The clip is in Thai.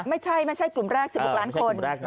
ไม่ใช่ไม่ใช่กลุ่มแรก๑๖ล้านคน